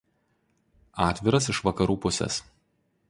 Atviras iš vakarų pusės.